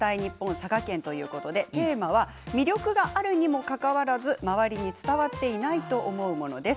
佐賀県ということでテーマは魅力があるにもかかわらず周りに伝わっていないと思うものです。